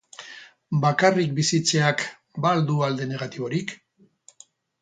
Bakarrik bizitzeak ba al du alde negatiborik?